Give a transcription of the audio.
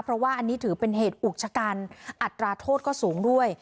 เพราะว่าอันนี้ถือเป็นเหตุอุกชะกันอัตราโทษก็สูงด้วย